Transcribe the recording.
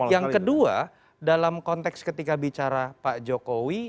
yang kedua dalam konteks ketika bicara pak jokowi